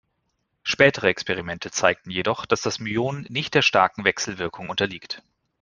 Spätere Experimente zeigten jedoch, dass das Myon nicht der starken Wechselwirkung unterliegt.